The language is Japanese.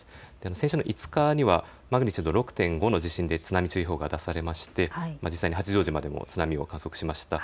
先週５日にはマグニチュード６．５の地震で津波注意報が出されまして実際、八丈島でも津波を観測しました。